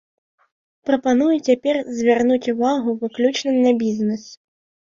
Прапаную цяпер звярнуць увагу выключна на бізнес.